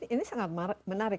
ini sangat menarik